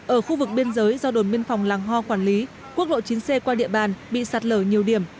ở khu vực biên giới do đồn biên phòng làng ho quản lý quốc lộ chín c qua địa bàn bị sạt lở nhiều điểm